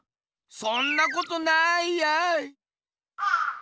そんなことないやい。